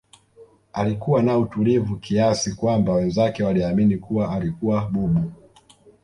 alikuwa na utulivu kiasi kwamba wenzake waliamini kuwa alikuwa bubu